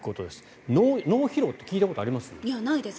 脳疲労って聞いたことあります？